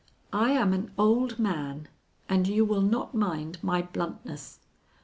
I am an old man, and you will not mind my bluntness.